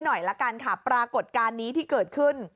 หน่อยละกันค่ะปรากฏการณ์นี้ที่เกิดขึ้น